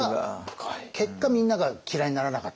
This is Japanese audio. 結果みんなが嫌いにならなかった。